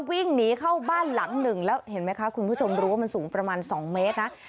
วิ่งหนีเข้าบ้านหลังหนึ่งแล้วเห็นไหมคะคุณผู้ชมรู้ว่ามันสูงประมาณ๒เมตรนะ